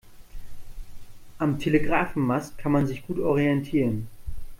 Am Telegrafenmast kann man sich gut orientieren.